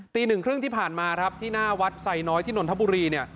ตีหนึ่งครึ่งที่ผ่านมาที่หน้าวัดไสน้อยที่นนทบุรี